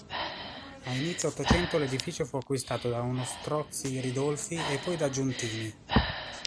A inizio Ottocento l'edificio fu acquistato da uno Strozzi-Ridolfi e poi dai Giuntini.